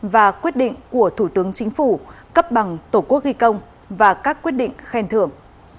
và quyết định của thủ tướng chính phủ cấp bằng tổ quốc ghi công và các quyết định khen thưởng